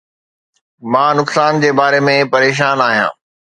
مان نقصان جي باري ۾ پريشان آهيان